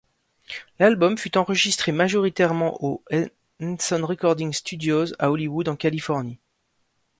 L'album fut enregistré majoritairement aux Henson Recording Studios à Hollywood en Californie.